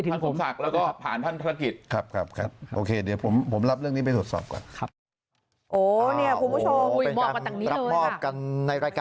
เป็นการรับโทษกันเสียแป้งในรายการเลยนะครับ